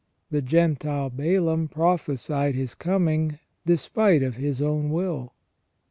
The Gentile Balaam pro phesied His coming, despite of his own will.